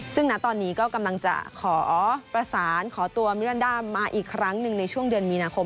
ซึ่งณตอนนี้ก็กำลังจะขอประสานขอตัวมิรันดามาอีกครั้งหนึ่งในช่วงเดือนมีนาคม